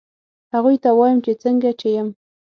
هغوی ته وایم چې څنګه چې یم